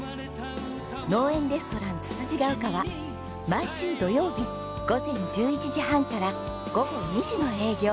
農園レストランつつじヶ丘は毎週土曜日午前１１時半から午後２時の営業。